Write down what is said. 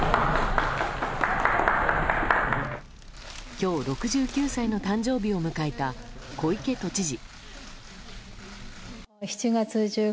今日、６９歳の誕生日を迎えた小池都知事。